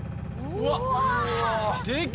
うわっ。